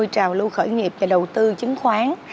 trào lưu khởi nghiệp và đầu tư chứng khoán